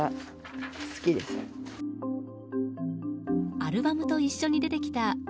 アルバムと一緒に出てきた